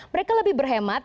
mereka lebih berhemat